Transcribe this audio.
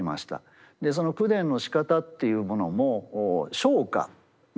でその口伝のしかたっていうものも唱歌ま